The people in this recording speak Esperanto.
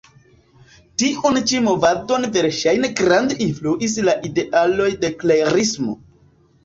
Tiun ĉi movadon verŝajne grande influis la idealoj de Klerismo.